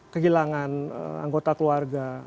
kehilangan anggota keluarga